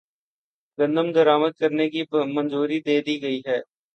گندم درآمدکرنے کی منظوری دےدی ہے